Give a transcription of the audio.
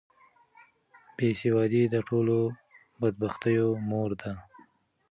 بې سوادي د ټولو بدبختیو مور ده.